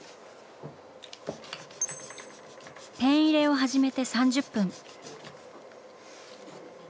ペン入れを始めて３０分。